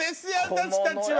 私たちは。